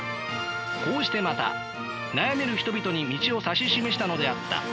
こうしてまた悩める人々に道を指し示したのであった。